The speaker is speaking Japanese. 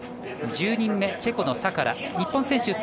１０人目チェコのサカラ、日本選手